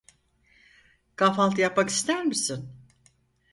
Kahvaltı yapmak ister misin?